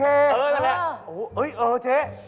เออนั่นแหละ